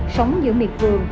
sống giữa miệt vườn